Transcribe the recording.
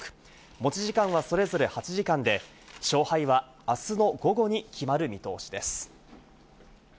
持ち時間はそれぞれ８時間で、勝敗はあすの午後に決まる見通しです。